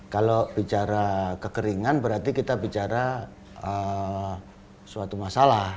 kalau bicara kekeringan berarti kita bicara suatu masalah